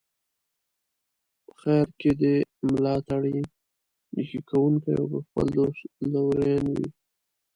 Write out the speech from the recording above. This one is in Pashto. په خیر کې دي ملاتړی، نیکي کوونکی او پر خپل دوست لورین وي.